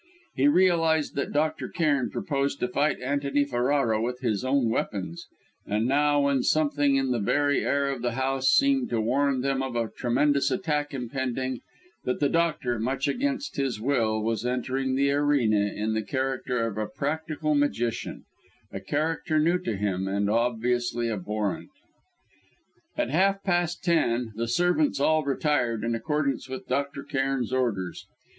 He realised that Dr. Cairn proposed to fight Antony Ferrara with his own weapons, and now, when something in the very air of the house seemed to warn them of a tremendous attack impending, that the doctor, much against his will, was entering the arena in the character of a practical magician a character new to him, and obviously abhorrent. At half past ten, the servants all retired in accordance With Dr. Cairn's orders.